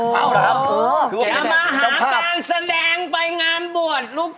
แล้วก็หรือหลายหย่าง